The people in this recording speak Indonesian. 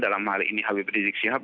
dalam hal ini hwp diksyahab